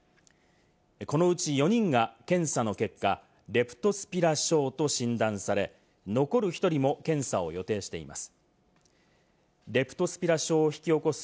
このうち４人が検査の結果、レプトスピラ症と診断され、残る１人も検査を予定しています。